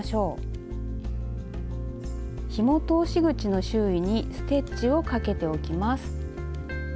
ひも通し口の周囲にステッチをかけておきます。